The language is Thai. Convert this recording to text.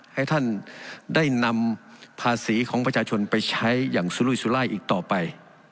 ให้ท่านได้นำภาษีของประชาชนไปใช้อย่างสุรุยสุรายอีกต่อไป